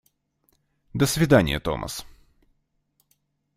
До свидания, Томас.